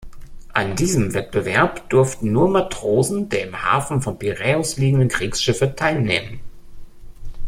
An diesem Wettbewerb durften nur Matrosen der im Hafen von Piräus liegenden Kriegsschiffe teilnehmen.